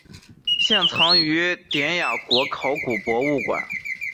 现藏于雅典国家考古博物馆。